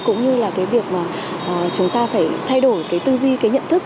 cũng như là cái việc mà chúng ta phải thay đổi cái tư duy cái nhận thức